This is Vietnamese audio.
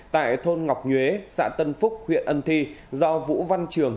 tại thôn ngọc nhuế xã tân phúc huyện ân thi do vũ văn trường